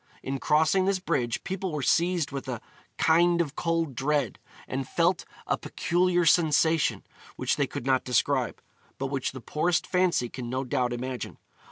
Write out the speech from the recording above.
In crossing this bridge people were seized with 'a kind of cold dread,' and felt 'a peculiar sensation' which they could not describe, but which the poorest fancy can no doubt imagine.